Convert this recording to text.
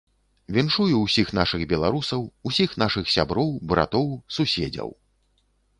Віншую ўсіх нашых беларусаў, усіх нашых сяброў, братоў, суседзяў.